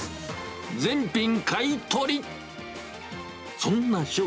全品買い取り。